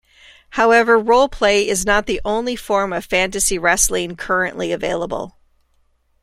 However, roleplay is not the only form of fantasy wrestling currently available.